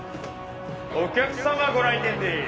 お客様ご来店です。